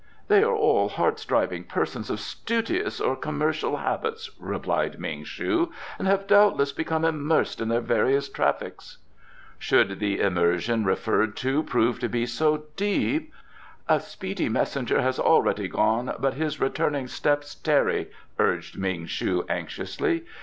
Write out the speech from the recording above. "They are all hard striving persons of studious or commercial habits," replied Ming shu, "and have doubtless become immersed in their various traffics." "Should the immersion referred to prove to be so deep " "A speedy messenger has already gone, but his returning footsteps tarry," urged Ming shu anxiously.